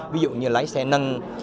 ví dụ như lái xe nâng